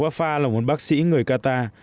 wafa là một bác sĩ người qatar